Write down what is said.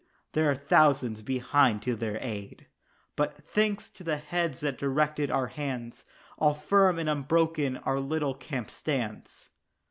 there come thousands behind to their aid But, thanks to the heads that directed our hands, All firm and unbroken our little camp stands.